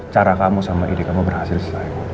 cara kamu sama ide kamu berhasil sesuai